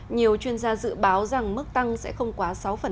nhiều chuyên gia dự báo rằng mức tăng sẽ không quá sáu